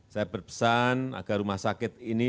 saya berpesan agar rumah sakit ini